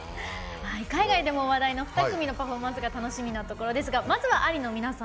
海外でも話題の２組のパフォーマンスが楽しみなところですがまずは、ＡＬＩの皆さん